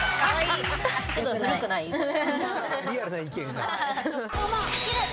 リアルな意見が。